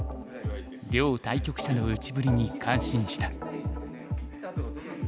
両対局者の打ちぶりに感心した。